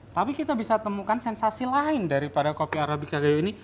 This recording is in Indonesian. tapi kita bisa temukan sensasi lain daripada kopi arabica kayu ini